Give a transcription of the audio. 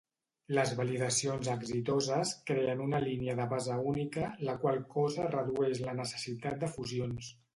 Les validacions exitoses creen una línia de base única, la qual cosa redueix la necessitat de fusions.